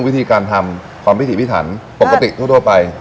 วิธีการทำความพิถีพิถันปกติทั่วไป